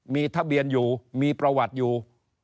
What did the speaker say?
มีทะเบียนอยู่มีประวัติอยู่